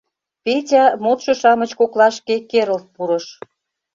Петя модшо-шамыч коклашке керылт пурыш.